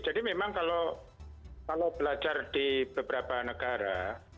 jadi memang kalau belajar di beberapa negara